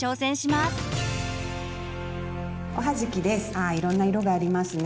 ああいろんな色がありますね。